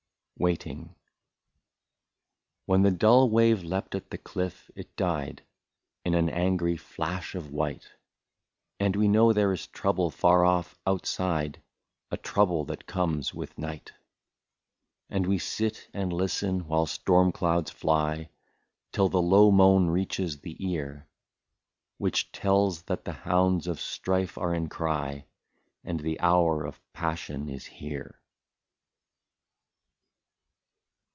141 WAITING. When the dull wave leapt at the cliff and died In an angry flasli of white, We knew there was trouble far off outside, — A trouble that comes with night ; And we sit and listen, while storm clouds fly, Till the low moan reaches the ear, Which tells that the hounds of strife are in cry. And the hour of passion is here.